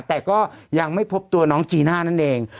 แต่ก็ยังไม่พบตัวน้องจีน่านั่นเอง